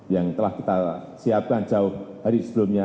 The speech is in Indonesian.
yang telah kita siapkan jauh hari sebelumnya